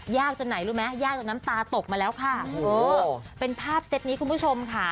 ยากจนน้ำตาตกมาแล้วค่ะเป็นภาพเซ็ตนี้คุณผู้ชมค่ะ